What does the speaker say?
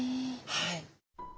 はい。